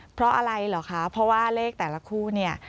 เพราะอะไรเหรอคะเพราะว่าเลขแต่ละคู่เนี่ย